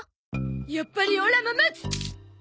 やっぱりオラも待つ！